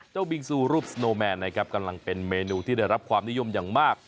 บิงซูรูปสโนแมนนะครับกำลังเป็นเมนูที่ได้รับความนิยมอย่างมาก